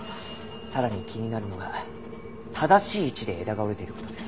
さらに気になるのが正しい位置で枝が折れている事です。